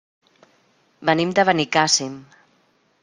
Venim de Benicàssim.